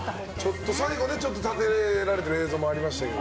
ちょっと最後、立てられている映像もありましたけど。